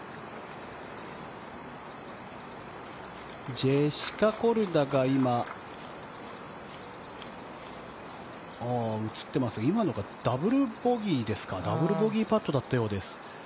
ジェシカ・コルダが今、映ってますが今のがダブルボギーパットだったようです。